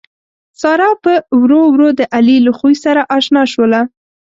ساره پّ ورو ورو د علي له خوي سره اشنا شوله